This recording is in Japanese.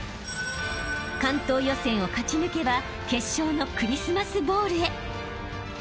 ［関東予選を勝ち抜けば決勝のクリスマスボウルへ］